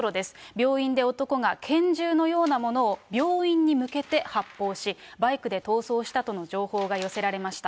病院で男が拳銃のようなものを病院に向けて発砲し、バイクで逃走したとの情報が寄せられました。